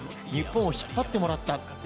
日本を引っ張ってもらった。